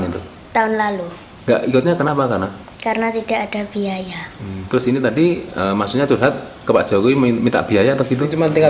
terus ini tadi maksudnya curhat ke pak jokowi minta biaya atau gitu